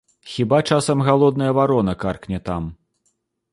Хіба часам галодная варона каркне там.